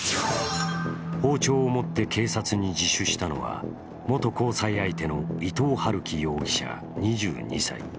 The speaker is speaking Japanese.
包丁を持って警察に自首したのは元交際相手の伊藤龍稀容疑者２２歳。